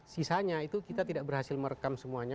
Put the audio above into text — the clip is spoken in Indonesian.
sisanya itu kita tidak berhasil merekam semuanya